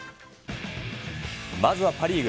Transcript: まずはパ・リーグ。